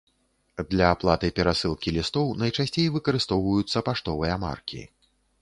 Для аплаты перасылкі лістоў найчасцей выкарыстоўваюцца паштовыя маркі.